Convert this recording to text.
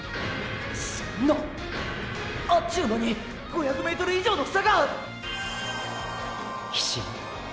そんなあっちゅう間に５００ｍ以上の差がきしむ。